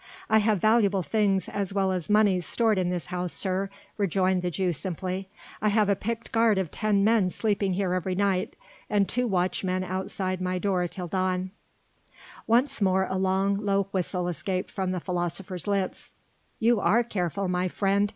"I have valuable things as well as monies stored in this house, sir," rejoined the Jew simply. "I have a picked guard of ten men sleeping here every night, and two watchmen outside my door until dawn." Once more a long, low whistle escaped from the philosopher's lips. "You are careful, my friend!"